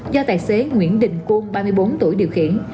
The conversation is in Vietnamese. do tài xế nguyễn đình quân ba mươi bốn tuổi điều khiển